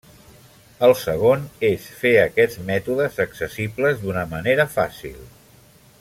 El segon és fer aquests mètodes accessibles d'una manera fàcil.